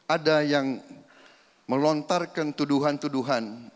ada yang melontarkan tuduhan tuduhan